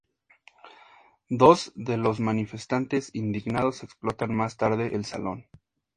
Dos de los manifestantes indignados explotan más tarde el Salón.